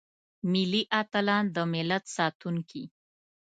ملي اتلان دملت ساتونکي.